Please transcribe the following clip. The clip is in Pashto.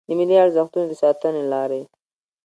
د ملي ارزښتونو د ساتنې لارې